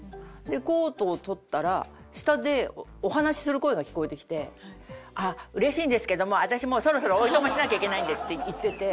コートを取ったら下でお話しする声が聞こえてきて「嬉しいんですけども私もうそろそろお暇しなきゃいけないんで」って言ってて。